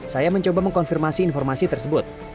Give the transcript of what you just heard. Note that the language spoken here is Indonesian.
saya mencoba mengkonfirmasi informasi tersebut